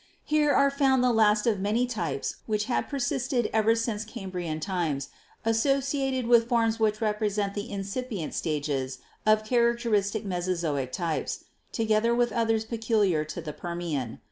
Here are found the last of many types which had per sisted ever since Cambrian times, associated with forms which represent the incipient stages of characteristic Meso zoic types, together with others peculiar to the Permian.